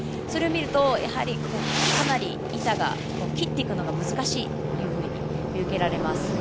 それを見るとかなり板を切っていくのが難しいと見受けられます。